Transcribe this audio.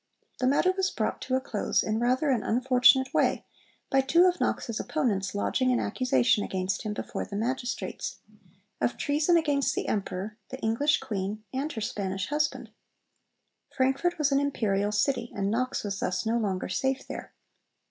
The matter was brought to a close in rather an unfortunate way by two of Knox's opponents lodging an accusation against him before the Magistrates, of treason against the Emperor, the English Queen, and her Spanish husband. Frankfort was an imperial city, and Knox was thus no longer safe there.